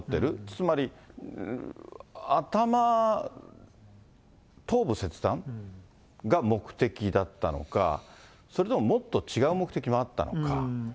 つまり頭、頭部切断が目的だったのか、それとももっと違う目的もあったのか。